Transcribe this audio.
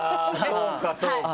そうかそうか。